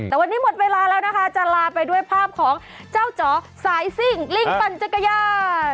แต่วันนี้หมดเวลาแล้วนะคะจะลาไปด้วยภาพของเจ้าจ๋อสายซิ่งลิงปั่นจักรยาน